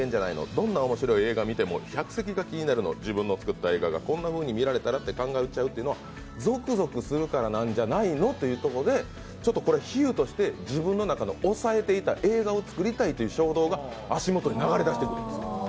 どんな面白い映画を見ても客席が気になるの、自分の作った映画がこんなふうに見られたらと考えちゃうのはゾクゾクするからなんじゃないの？ということで比喩として自分の中の抑えていた映画をつくりたいという衝動が足元に流れ出してくるんですよ。